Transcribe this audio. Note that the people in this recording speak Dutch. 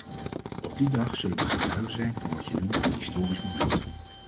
Op die dag zullen we getuige zijn van wat je noemt een historisch moment.